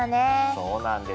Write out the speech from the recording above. そうなんです。